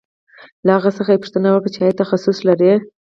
له هغه څخه یې پوښتنه وکړه چې آیا تخصص لرې